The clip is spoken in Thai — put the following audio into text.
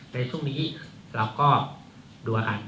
ในช่วงนี้เราก็ดูอาการ